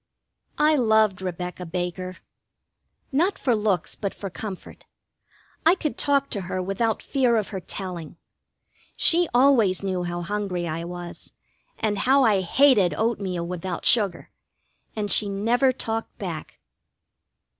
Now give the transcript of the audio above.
I loved Rebecca Baker: not for looks, but for comfort. I could talk to her without fear of her telling. She always knew how hungry I was, and how I hated oatmeal without sugar, and she never talked back.